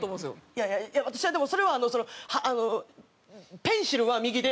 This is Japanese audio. いやいや私はでもそれはあのそのペンシルは右で箸は左。